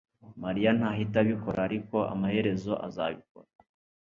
mariya ntahita abikora ariko amaherezo azabikora